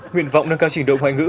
nguyện vọng nâng cao trình độ ngoại ngữ